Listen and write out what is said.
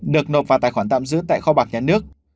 được nộp vào tài khoản tạm giữ tại kho bạc nhà nước